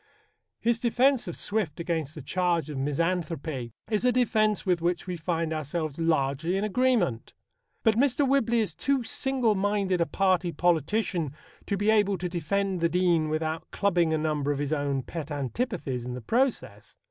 His defence of Swift against the charge of misanthropy is a defence with which we find ourselves largely in agreement. But Mr. Whibley is too single minded a party politician to be able to defend the Dean without clubbing a number of his own pet antipathies in the process.